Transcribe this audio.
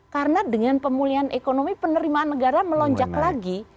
karena dengan pemulihan ekonomi penerimaan negara melonjak lagi